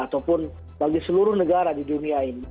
ataupun bagi seluruh negara di dunia ini